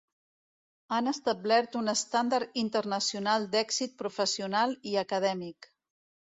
Han establert un estàndard internacional d'èxit professional i acadèmic.